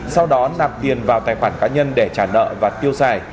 sau đó nạp tiền vào tài khoản cá nhân để trả nợ và tiêu xài